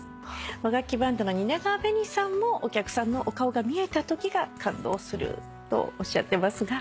和楽器バンドの蜷川べにさんもお客さんのお顔が見えたときが感動するとおっしゃってますが。